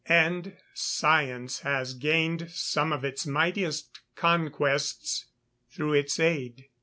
And science has gained some of its mightiest conquests through its aid.